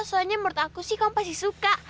soalnya menurut aku sih kamu pasti suka